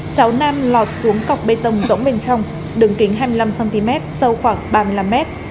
cháu nam lọt xuống cọc bê tông rỗng bên trong đường kính hai mươi năm cm sâu khoảng ba mươi năm m